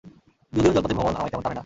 যদিও, জলপথে ভ্রমণ আমায় তেমন টানে না!